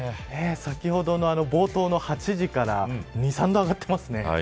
先ほどの冒頭の８時から２、３度上がっていますね。